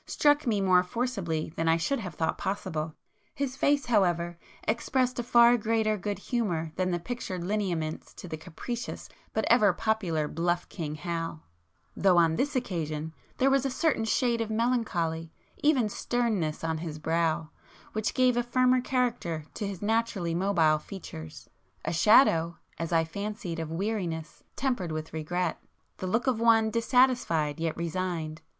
struck me more forcibly than I should have thought possible. His face however expressed a far greater good humour than the pictured lineaments of the capricious but ever popular 'bluff King Hal,'—though on this occasion there was a certain shade of melancholy, even sternness on his brow, which gave a firmer character to his naturally mobile features,—a shadow, as I fancied of weariness, tempered with regret,—the look of one dissatisfied, yet resigned.